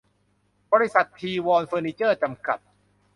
บริษัท ธีวรเฟอร์นิเจอร์ จำกัด